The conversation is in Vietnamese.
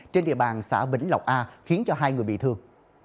trên địa bàn xã vĩnh lộc a khiến cho hai người bị thương